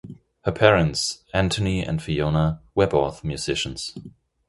Her parents, Antony and Fiona, were both musicians.